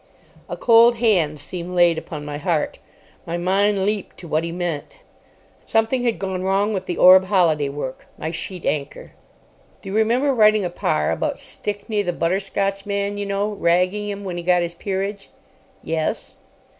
A cold hand seemed laid upon my heart. My mind leaped to what he meant. Something had gone wrong with the Orb holiday work, my sheet anchor. "Do you remember writing a par about Stickney, the butter scotch man, you know, ragging him when he got his peerage?" "Yes."